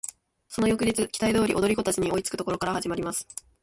その翌日期待通り踊り子達に追いつく処から始まります。